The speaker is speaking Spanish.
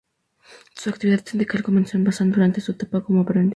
Su actividad sindical comenzó en Bazán durante su etapa como aprendiz.